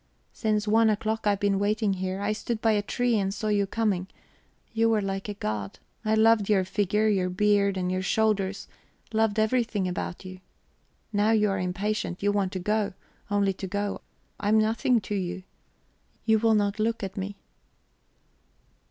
Since one o'clock I have been waiting here. I stood by a tree and saw you coming you were like a god. I loved your figure, your beard, and your shoulders, loved everything about you... Now you are impatient; you want to go, only to go; I am nothing to you, you will not look at me